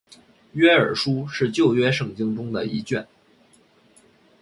约珥书是旧约圣经中的一卷。